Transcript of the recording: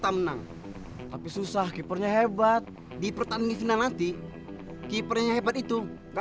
masih bisa berdiri